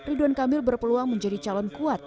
ridwan kamil berpeluang menjadi calon kuat